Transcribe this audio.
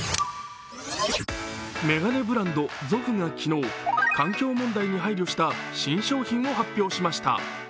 眼鏡ブランド、Ｚｏｆｆが昨日、環境問題に配慮した新商品を発表しました。